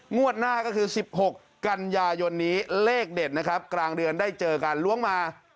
งวดหน้าก็คือ๑๖กันยายนนี้เลขเด็ดนะครับกลางเดือนได้เจอกันล้วงมา